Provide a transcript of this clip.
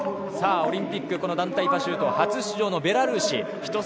オリンピック団体パシュート初出場のベラルーシ。